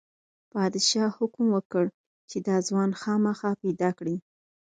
پادشاه حکم وکړ چې دا ځوان خامخا پیدا کړئ.